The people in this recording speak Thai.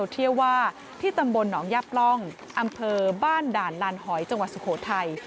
ที่ตำบลหนองยับร่องอำเภอบ้านด่านลานหอยจังหวัดสุโขทัย